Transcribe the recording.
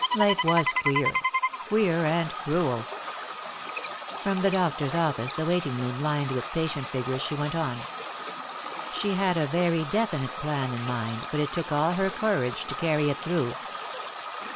Life was queer. Queer and cruel. From the doctor's office, the waiting room lined with patient figures, she went on. She had a very definite plan in mind, but it took all her courage to carry it through.